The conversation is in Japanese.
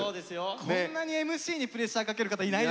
こんなにＭＣにプレッシャーかける方いないですよね。